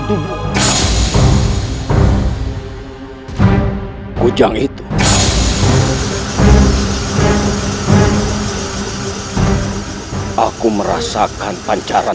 terima kasih atas dukungan anda